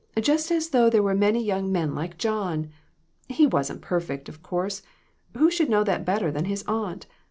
Just as though there were many young men like John ! He wasn't perfect, of course ; who should know that better than his aunt